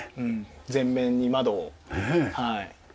全面に窓をはい。